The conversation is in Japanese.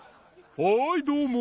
はいどうも。